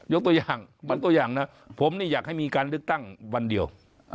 ยกตัวอย่างผมเนี่ยอยากให้มีการเลือกตั้งวันเดียว